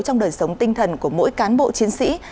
trong đời sống tinh thần của mỗi cán bộ chiến sĩ